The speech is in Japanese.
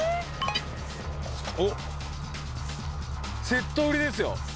おっ、セット売りですよ。